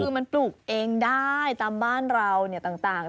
คือมันปลูกเองได้ตามบ้านเราต่าง